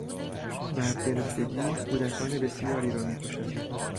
برق گرفتگی کودکان بسیاری را میکشد.